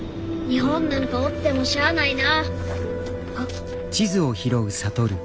日本なんかおってもしゃあないな。